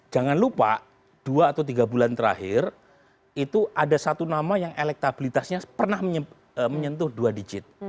jangan lupa dua atau tiga bulan terakhir itu ada satu nama yang elektabilitasnya pernah menyentuh dua digit